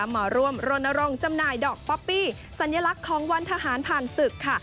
มาร่วมรณรงค์จำหน่ายดอกป๊อปปี้สัญลักษณ์ของวันทหารผ่านศึกค่ะ